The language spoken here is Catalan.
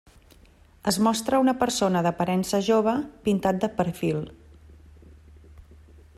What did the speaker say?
Es mostra una persona d'aparença jove pintat de perfil.